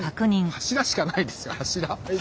柱しかないですよ柱。